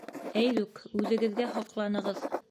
Әйҙүк, үҙегеҙгә һоҡланығыҙ!